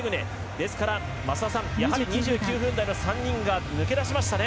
ですからやはり２９分台の３人が抜け出しましたね。